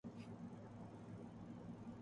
ہر مسئلہ اپنی جگہ اہم ہے۔